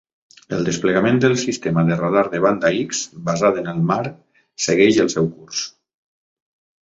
El desplegament del sistema de radar de banda X basat en el mar segueix el seu curs.